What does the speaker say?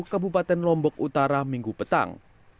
kabupaten lombok utara minggu petang